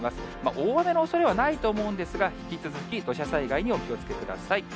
大荒れのおそれはないと思うんですが、引き続き土砂災害にお気をつけください。